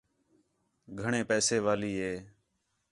گھݨیں پیسے والی ہِے